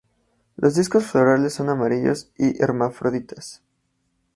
Los discos florales son amarillos y hermafroditas.